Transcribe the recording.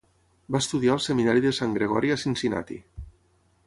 Va estudiar al Seminari de Sant Gregori a Cincinnati.